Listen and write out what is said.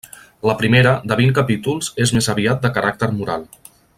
La primera, de vint capítols, és més aviat de caràcter moral.